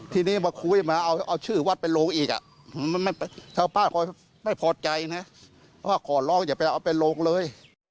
ทีนี้มาคุยมาเอาชื่อวัดไปลงอีกทางป้าก็ไม่พอใจนะว่าขอร้องอย่าไปเอาไปลงเลย